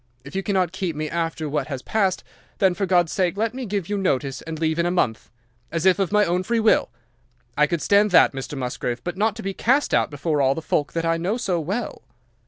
If you cannot keep me after what has passed, then for God's sake let me give you notice and leave in a month, as if of my own free will. I could stand that, Mr. Musgrave, but not to be cast out before all the folk that I know so well."